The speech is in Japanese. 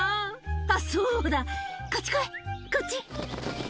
あっ、そうだ、こっち来い、こっち。